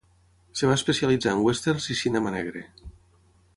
Es va especialitzar en westerns i cinema negre.